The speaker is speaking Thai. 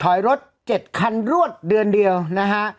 ถอยรถ๗คันรวดเดือนเดียวนะฮะ